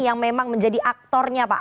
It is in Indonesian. yang memang menjadi aktornya pak